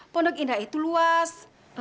pondok indah itu luas